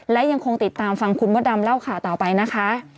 และยังคงติดตามฟังคุณมดดำเล่าข่าวต่อไปนะคะ